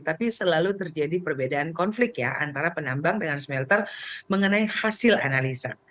tapi selalu terjadi perbedaan konflik ya antara penambang dengan smelter mengenai hasil analisa